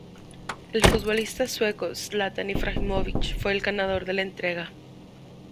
El futbolista sueco Zlatan Ibrahimović fue el ganador de la entrega.